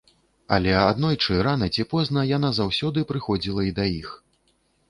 Але аднойчы, рана ці позна, яна заўсёды прыходзіла і да іх.